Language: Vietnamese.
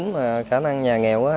mà khả năng nhà nghèo quá